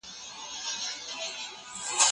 ماشومه هره ورځ زده کړه کوي.